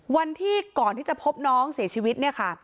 วันที่ก่อนที่จะพบน้องเสียชีวิตเนี่ยค่ะ